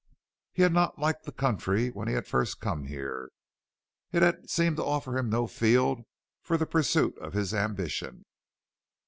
He had not liked the country when he had first come here; it had seemed to offer him no field for the pursuit of his ambition.